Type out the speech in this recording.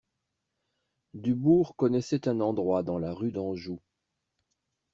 Dubourg connaissait un endroit dans la rue d'Anjou.